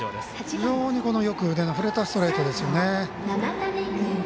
非常に腕がよく振れたストレートですよね。